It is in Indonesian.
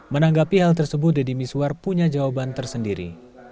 menanggapi hal tersebut deddy miswar punya jawaban tersendiri